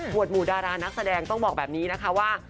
วดหมู่ดารานักแสดงต้องบอกแบบนี้นะคะว่า